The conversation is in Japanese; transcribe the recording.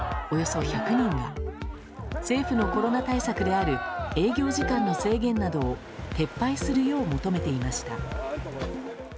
およそ１００人が政府のコロナ対策である営業時間の制限などを撤廃するよう求めていました。